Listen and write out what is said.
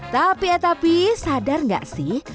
tapi ya tapi sadar gak sih